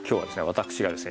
私がですね